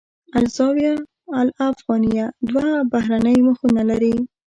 الزاویة الافغانیه دوه بهرنۍ مخونه لري.